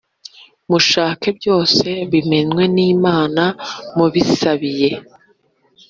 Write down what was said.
mushaka byose bimenywe n Imana mubisabiye